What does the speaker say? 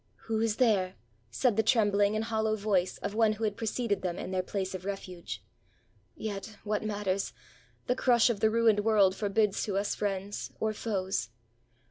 "Who is there?" said the trembUng and hollow voice of one who had preceded them in their place of refuge. 449 ROME "Yet, what matters? — the crush of the ruined world forbids to us friends or foes."